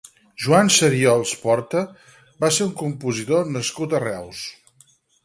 Joan Sariols Porta va ser un compositor nascut a Reus.